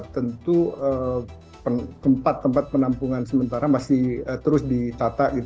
tentu tempat tempat penampungan sementara masih terus ditata